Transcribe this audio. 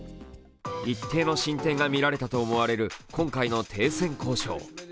一定の進展が見られたと思われる今回の停戦交渉。